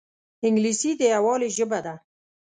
انګلیسي د یووالي ژبه ده